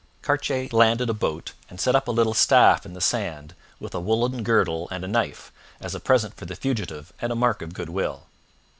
Cartier landed a boat and set up a little staff in the sand with a woollen girdle and a knife, as a present for the fugitive and a mark of good will.